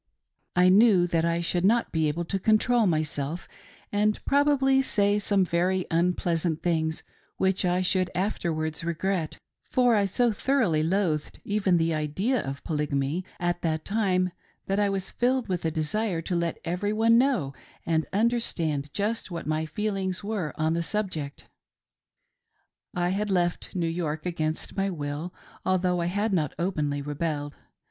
I knew that I "HAVE YOU GOT THE BLUES?" 341 should not be able to control myself, and might probably say some very unpleasant things, which I should afterwards regret ; for I so thoroughly loathed even the idea of Polygomy at that time that I was filled with a desire to let every one know and understand just what my feelings were on that subject. I had left New York against my will, although I had not openly rebelled.